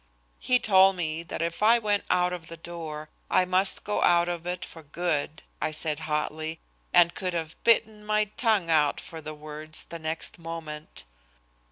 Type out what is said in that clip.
"He told me that if I went out of the door, I must go out of it for good," I said hotly, and could have bitten my tongue out for the words the next moment.